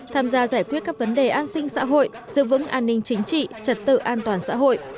tham gia giải quyết các vấn đề an sinh xã hội giữ vững an ninh chính trị trật tự an toàn xã hội